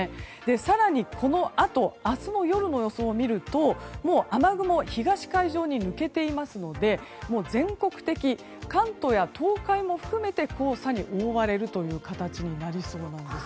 更にこのあと明日の夜の予想を見ると雨雲、東海上に抜けていますので全国的に関東や東海も含めて黄砂に覆われるという形になりそうです。